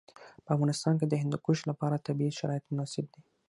په افغانستان کې د هندوکش لپاره طبیعي شرایط مناسب دي.